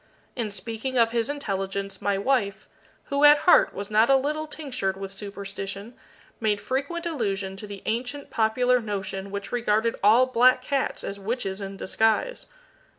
In speaking of his intelligence, my wife, who at heart was not a little tinctured with superstition, made frequent allusion to the ancient popular notion which regarded all black cats as witches in disguise.